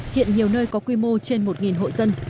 hiện nhiều nơi có quy mô trên một hộ dân